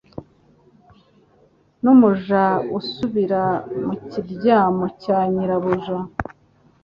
n’umuja usubira mu kiryamo cya nyirabuja